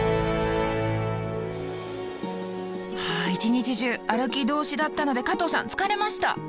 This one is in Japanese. はあ一日中歩きどおしだったので加藤さん疲れました！